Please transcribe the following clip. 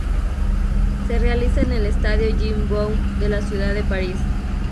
Se realiza en el Estadio Jean-Bouin de la ciudad de París.